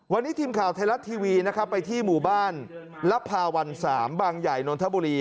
วันนี้ทีมข่าวไทยรัฐทีวีนะครับไปที่หมู่บ้านลภาวัน๓บางใหญ่นนทบุรี